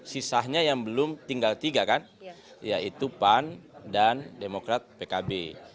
sisanya yang belum tinggal tiga kan yaitu pan dan demokrat pkb